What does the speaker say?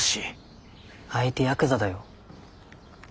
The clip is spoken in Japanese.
相手ヤクザだよ。